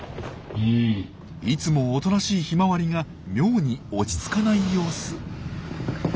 いつもおとなしいヒマワリが妙に落ち着かない様子。